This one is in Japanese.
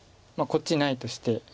こっちないとして。